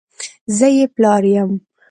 زه یې پلار یم !